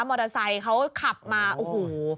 มอเตอร์ไซค์เขาขับมาโอ้โห